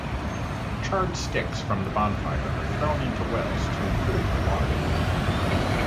Charred sticks from the bonfire are thrown into wells to improve the water.